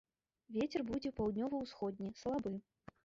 Вецер будзе паўднёва-ўсходні, слабы.